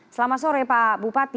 selamat sore pak bupati